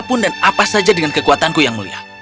apapun dan apa saja dengan kekuatanku yang mulia